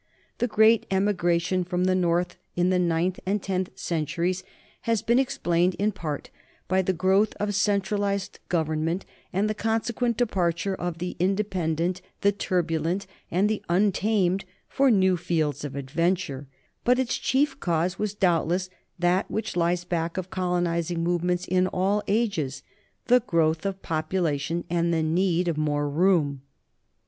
The great emigration from the North in the ninth and tenth centuries has been explained in part by the growth of centralized government and the consequent departure of the independent, the turbu lent, and the untamed for new fields of adventure; but its chief cause was doubtless that which lies back of colonizing movements in all ages, the growth of popu lation and the need of more room.